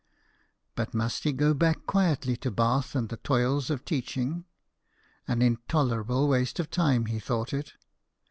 But must he go back quietly to Bath and the toils of teaching? "An intolerable waste of time," he thought it.